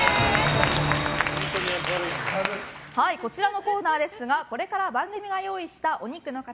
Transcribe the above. こちらのコーナーですがこれから番組が用意したお肉の塊